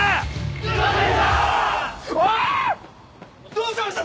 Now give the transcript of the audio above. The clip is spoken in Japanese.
どうしました？